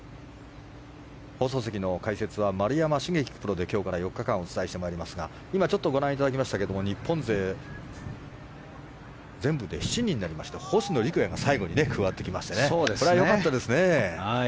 放送席の解説は丸山茂樹プロで今日から４日間お伝えしてまいりますが今ちょっとご覧いただきましたが日本勢、全部で７人となりまして星野陸也が最後に加わってきましてこれは良かったですね。